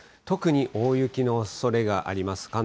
特に大雪のおそれがあります